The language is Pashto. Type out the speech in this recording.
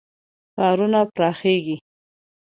ښارونه پراخیږي.